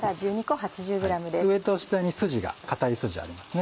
上と下に筋が硬い筋ありますね。